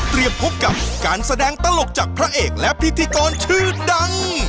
พบกับการแสดงตลกจากพระเอกและพิธีกรชื่อดัง